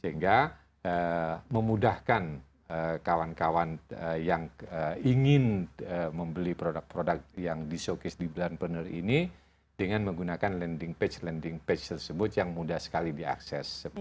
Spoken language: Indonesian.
sehingga memudahkan kawan kawan yang ingin membeli produk produk yang di showcase di blender ini dengan menggunakan lending page landing page tersebut yang mudah sekali diakses